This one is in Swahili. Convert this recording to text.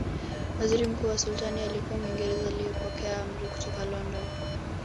Waziri mkuu wa Sultani alikuwa Mwingereza aliyepokea amri kutoka London